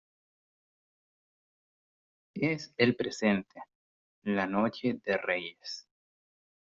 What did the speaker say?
es el presente, la noche de Reyes.